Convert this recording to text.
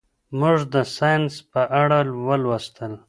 موږ د ساینس په اړه ولوستل.